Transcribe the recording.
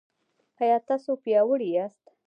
ایا تاسو پیاوړي یاست؟